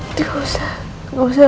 nggak usah nggak usah